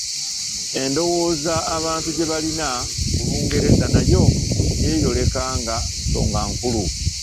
Endowooza abantu gye balina ku Lungereza nayo yeeyoleka nga nsonga nkulu.